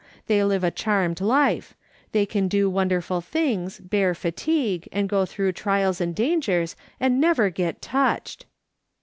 They live a charmed life; they can do wonderful things, bear fatigue, and go through trials and dangers and never get touched."